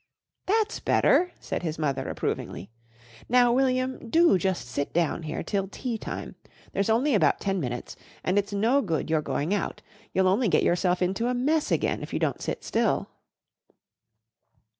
"That's better," said his mother approvingly. "Now, William, do just sit down here till tea time. There's only about ten minutes, and it's no good your going out. You'll only get yourself into a mess again if you don't sit still."